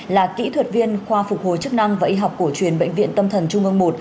là kỹ thuật viên khoa phục hồi chức năng và y học cổ truyền bệnh viện tâm thần trung ương một